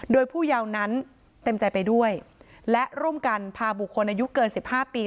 โดยผู้เยาวนั้นเต็มใจไปด้วยและร่วมกันพาบุคคลอายุเกินสิบห้าปี